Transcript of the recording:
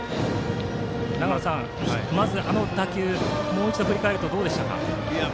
長野さん、まずあの打球を振り返るとどうでしたか。